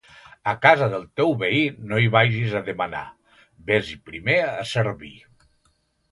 A casa del teu veí, no hi vagis a demanar; ves-hi primer a servir.